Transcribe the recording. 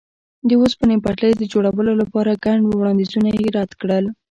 د اوسپنې پټلۍ د جوړولو لپاره ګڼ وړاندیزونه یې رد کړل.